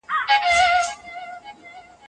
هغه د وېرو خپرېدل زيانمن بلل.